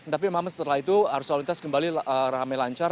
tapi memang setelah itu arus lalu lintas kembali rame lancar